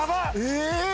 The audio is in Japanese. え！